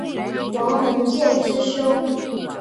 王鸿渐之兄。